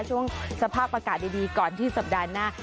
ช่วงสภาพอากาศดีก่อนที่สัปดาห์หน้า